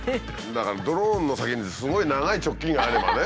だからドローンの先にすごい長いチョッキンがあればね。